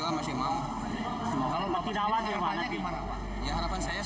harapan saya sekarang berhenti dulu lah